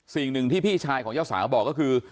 สิ่งหนึ่งที่พี่ชายของเจ้าสาวบอกก็คือ